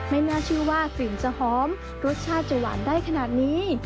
ไม่น่าเชื่อว่ากลิ่นจะหอมรสชาติจะหวานได้ขนาดนี้